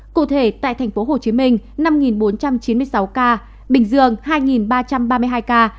cụ thể tại tp hcm năm bốn trăm chín mươi sáu ca bình dương hai ba trăm ba mươi hai ca